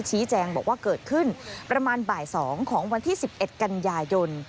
ชี้แจงบอกว่าเกิดขึ้นประมาณบ่าย๒ของวันที่๑๑กันยายน